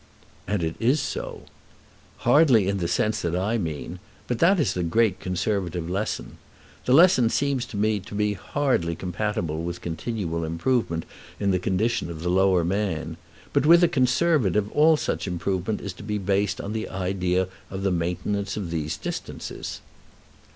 "And it is so." "Hardly in the sense that I mean. But that is the great Conservative lesson. That lesson seems to me to be hardly compatible with continual improvement in the condition of the lower man. But with the Conservative all such improvement is to be based on the idea of the maintenance of those distances.